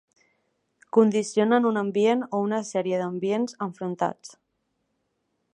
Condicionen un ambient o una sèrie d'ambients enfrontats